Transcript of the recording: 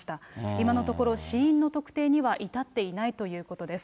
今のところ、死因の特定には至っていないということです。